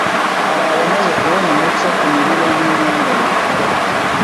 harabamaze kubona umucyo ku mirire n’imyambarire byoroheje